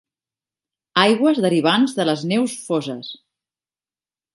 Aigües derivants de les neus foses.